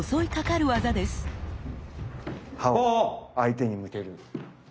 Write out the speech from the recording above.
刃を相手に向ける。